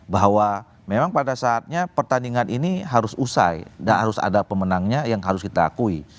bahwa memang pada saatnya pertandingan ini harus usai dan harus ada pemenangnya yang harus kita akui